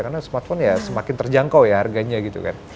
karena smartphone ya semakin terjangkau ya harganya gitu kan